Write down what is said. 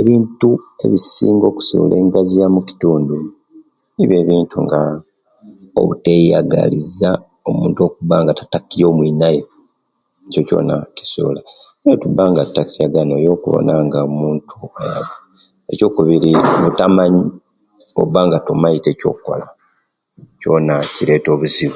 Ebintu ebisinga okusula egasya mukitundu nibyo ebintu nga obuteyagaliza omuntu okuba nga tatakiria omwinaye ekyo kyona kisobola owetuba nga tutakiria ngana owaba okuwona omuntu. Ekyokubiri butamanyi owoba nga tomaite ekyokola kyona kileta obuzibu